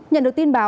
nhận được tin báo